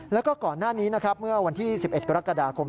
แล้วก็ก่อนหน้านี้นะครับเมื่อวันที่๑๑กรกฎาคม